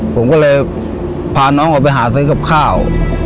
ผมก็เลยพาน้องออกไปหาซื้อกับข้าว